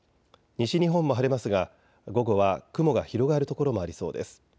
西日本も晴れますが午後は雲が広がる所もありそうです。